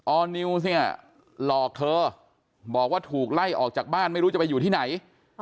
อร์นิวเนี่ยหลอกเธอบอกว่าถูกไล่ออกจากบ้านไม่รู้จะไปอยู่ที่ไหน